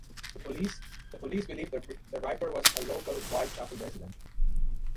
The police believed the Ripper was a local Whitechapel resident.